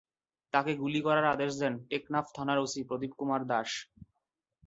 তাকে গুলি করার আদেশ দেন টেকনাফ থানার ওসি প্রদীপ কুমার দাশ।